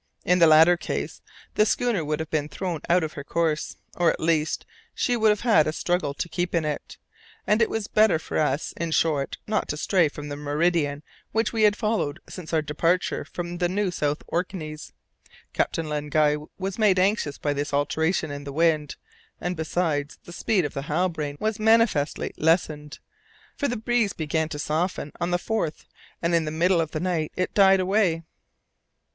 In the latter case the schooner would have been thrown out of her course, or at least she would have had a struggle to keep in it, and it was better for us, in short, not to stray from the meridian which we had followed since our departure from the New South Orkneys. Captain Len Guy was made anxious by this alteration in the wind, and besides, the speed of the Halbrane was manifestly lessened, for the breeze began to soften on the 4th, and in the middle of the night it died away.